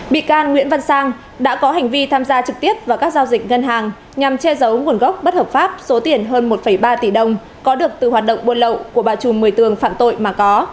bị can nguyễn văn sang đã có hành vi tham gia trực tiếp vào các giao dịch ngân hàng nhằm che giấu nguồn gốc bất hợp pháp số tiền hơn một ba tỷ đồng có được từ hoạt động buôn lậu của bà trùm một mươi tường phạm tội mà có